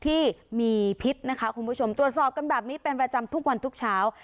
ที่มีพิษนะคะคุณผู้ชมตรวจสอบกันแบบนี้เป็นประจำทุกวันทุกเช้า